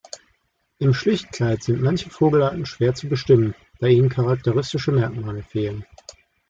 Im Schlichtkleid sind manche Vogelarten schwer zu bestimmen, da ihnen charakteristische Merkmale fehlen.